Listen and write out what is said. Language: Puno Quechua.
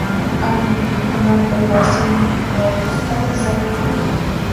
Ana mikhunata wasinpi wank'isqata saqin.